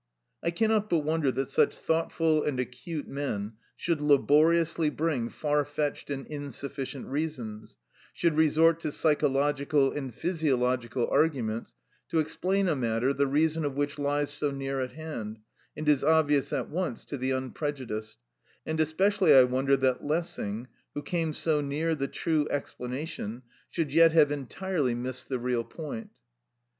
I cannot but wonder that such thoughtful and acute men should laboriously bring far fetched and insufficient reasons, should resort to psychological and physiological arguments, to explain a matter the reason of which lies so near at hand, and is obvious at once to the unprejudiced; and especially I wonder that Lessing, who came so near the true explanation, should yet have entirely missed the real point.